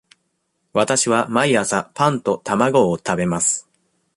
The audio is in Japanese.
わたしは毎朝パンと卵を食べます。